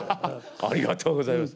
ありがとうございます。